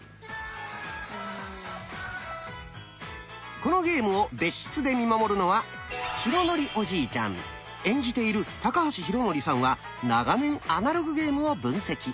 このゲームを別室で見守るのは演じている高橋浩徳さんは長年アナログゲームを分析。